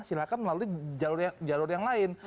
silahkan melalui jalur yang lain